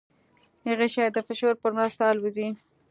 غشی د فشار په مرسته الوزي.